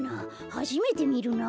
はじめてみるなあ。